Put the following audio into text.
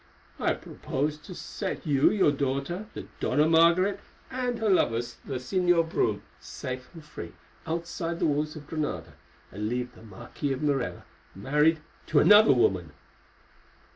"I propose to set you, your daughter, the Dona Margaret, and her lover, the Señor Brome, safe and free outside the walls of Granada, and to leave the Marquis of Morella married to another woman."